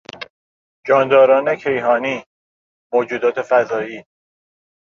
جانداران کیهانی، موجودات فضایی